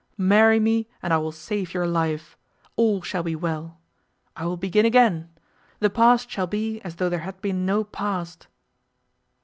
Marry me, and I will save your life. All shall be well. I will begin again. The past shall be as though there had been no past.